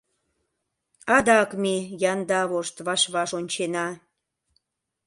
Адак ме янда вошт ваш-ваш ончена...